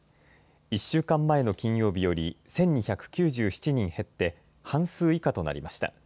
１週間前の金曜日より１２９７人減って、半数以下となりました。